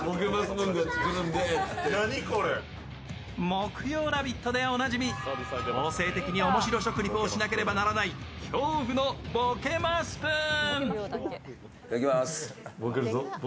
木曜「ラヴィット！」でおなじみ強制的におもしろ食リポをしなければならない恐怖のボケますプーン。